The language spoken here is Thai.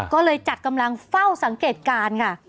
ก็เลยจัดกำลังเฝ้าสังเกตการณ์ค่ะ